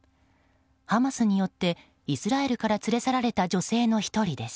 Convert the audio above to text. ハマスによってイスラエルから連れ去られた女性の１人です。